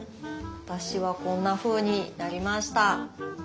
私はこんなふうになりました。